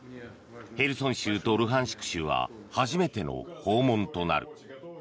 ヘルソン州とルハンシク州は初めての訪問となる。